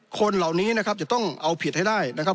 คนเหล่านี้นะครับจะต้องเอาผิดให้ได้นะครับ